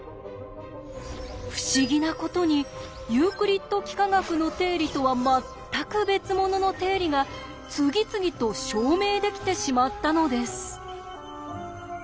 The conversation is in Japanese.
不思議なことにユークリッド幾何学の定理とは全く別物の定理が次々と証明できてしまったのです。